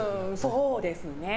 そうですね。